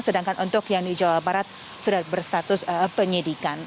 sedangkan untuk yang di jawa barat sudah berstatus penyidikan